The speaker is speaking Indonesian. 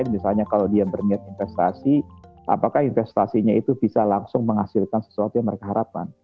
misalnya kalau dia berniat investasi apakah investasinya itu bisa langsung menghasilkan sesuatu yang mereka harapkan